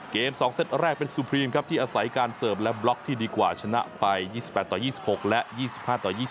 ๒เซตแรกเป็นซูพรีมครับที่อาศัยการเสิร์ฟและบล็อกที่ดีกว่าชนะไป๒๘ต่อ๒๖และ๒๕ต่อ๒๒